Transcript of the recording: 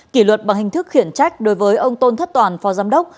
kỷ luật bằng hình thức khiển trách đối với ông tôn thất toàn phó giám đốc